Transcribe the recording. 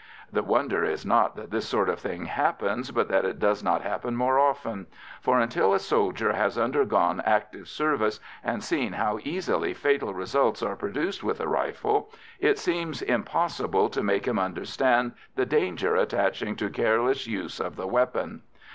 The wonder is not that this sort of thing happens, but that it does not happen more often, for, until a soldier has undergone active service and seen how easily fatal results are produced with a rifle, it seems impossible to make him understand the danger attaching to careless use of the weapon.